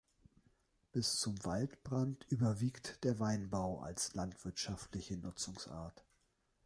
Bis zum Waldrand überwiegt der Weinbau als landwirtschaftliche Nutzungsart.